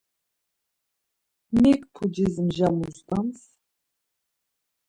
Mik pucis mja muzdams?